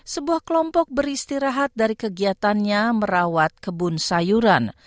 sebuah kelompok beristirahat dari kegiatannya merawat kebun sayuran